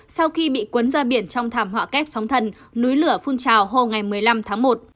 sau khi bị cuốn ra biển trong thảm họa kép sóng thần núi lửa phun trào hôm một mươi năm tháng một